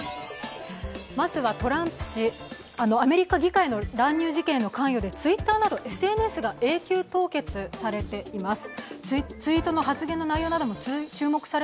トランプ氏のアメリカの乱入事件の関与でＴｗｉｔｔｅｒなどＳＮＳが永久凍結されています。